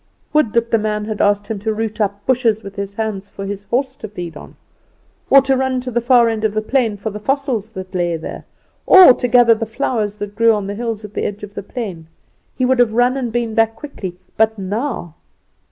Would that the man had asked him to root up bushes with his hands for his horse to feed on; or to run to the far end of the plain for the fossils that lay there, or to gather the flowers that grew on the hills at the edge of the plain; he would have run and been back quickly but now!